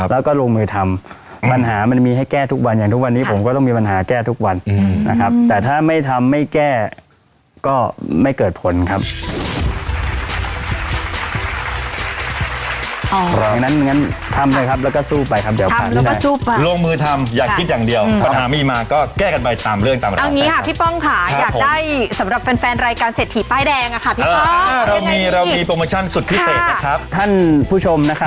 อ๋ออย่างนั้นอย่างนั้นทำเลยครับแล้วก็สู้ไปครับเดี๋ยวทำแล้วก็สู้ไปลงมือทำอยากคิดอย่างเดียวอืมปัญหามีมาก็แก้กันไปตามเรื่องตามเราเอาอย่างนี้ค่ะพี่ป้องค่ะครับผมอยากได้สำหรับแฟนแฟนรายการเศรษฐีป้ายแดงอะค่ะพี่ป้องอ๋อเรามีเรามีโปรโมชั่นสุดพิเศษนะครับท่านผู้ชมนะครั